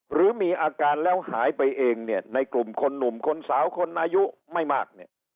หรือมีอาการแล้วหายไปเองเนี่ยในกลุ่มคนหนุ่มคนสาวคนอายุไม่มากเนี่ย